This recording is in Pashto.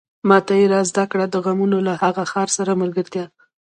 ماته يې را زده کړه د غمونو له هغه ښار سره ملګرتيا